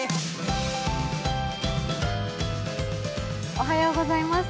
おはようございます。